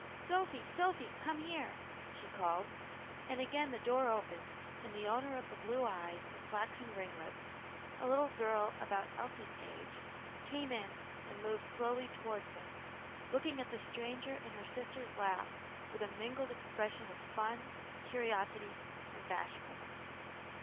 "Sophy! Sophy, come here!" she called, and again the door opened and the owner of the blue eyes and flaxen ringlets a little girl about Elsie's age, came in, and moved slowly towards them, looking at the stranger in her sister's lap with a mingled expression of fun, curiosity, and bashfulness.